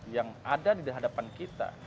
yang ada di hadapan kita